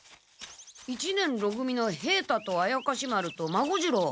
一年ろ組の平太と怪士丸と孫次郎。